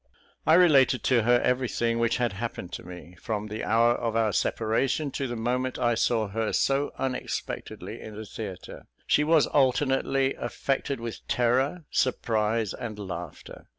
I related to her everything which had happened to me, from the hour of our separation to the moment I saw her so unexpectedly in the theatre. She was alternately affected with terror, surprise, and laughter.